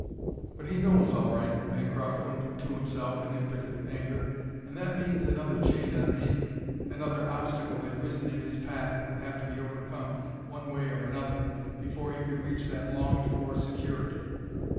"But he knows, all right," Bancroft owned to himself in impotent anger, "and that means another chain on me." Another obstacle had risen in his path that would have to be overcome, one way or another, before he could reach that longed for security.